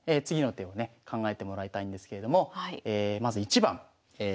次の手をね考えてもらいたいんですけれどもまず１番。